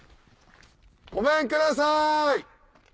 ごめんください！